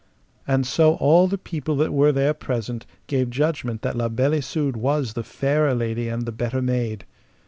And so all the people that were there present gave judgment that La Beale Isoud was the fairer lady and the better made.